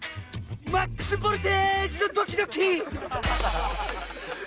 マックスボルテージのドキドキ！